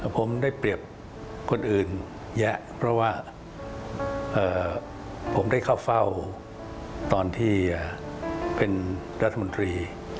ผมได้เปรียบคนอื่นแยะเพราะว่าผมได้เข้าเฝ้าตอนที่เป็นรัฐมนตรี